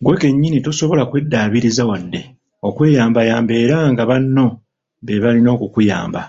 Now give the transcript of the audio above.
Ggwe kennyini tosobola kweddaabiriza wadde okweyambayamba era nga banno beebalina okukuyamba.